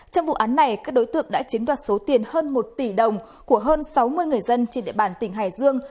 trong vụ án này các đối tượng đã chiếm đoạt số tiền hơn một tỷ đồng của hơn sáu mươi người dân trên địa bàn tỉnh hải dương